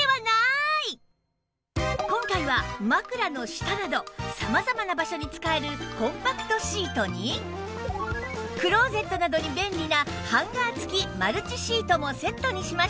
今回は枕の下など様々な場所に使えるコンパクトシートにクローゼットなどに便利なハンガー付きマルチシートもセットにしました